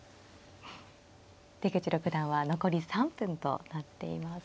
出口六段は残り３分となっています。